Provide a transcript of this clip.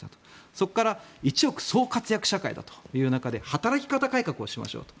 そこから一億総活躍社会だという中で働き方改革としましょうと。